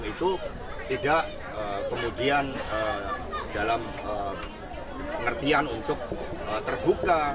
itu tidak kemudian dalam pengertian untuk terbuka